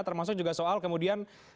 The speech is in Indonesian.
termasuk juga soal kemudian